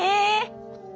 え！